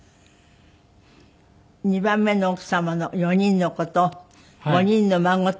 ２番目の奥様の４人の子と５人の孫と。